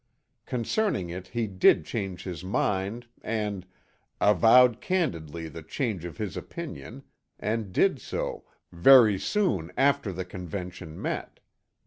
Concerning it he did change his mind and "avowed candidly the change of his opinion" and did so "very soon after the Convention met."